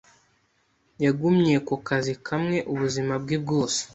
Yagumye ku kazi kamwe ubuzima bwe bwose.